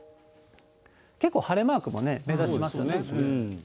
結構晴れマークも目立ちますよね。